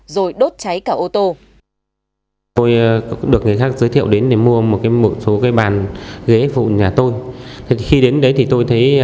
rồi đốt cháy cả ô tô